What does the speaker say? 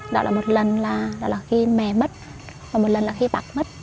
đó là một lần là khi mẹ mất và một lần là khi bác mất